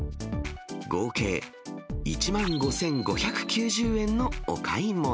合計１万５５９０円のお買い物。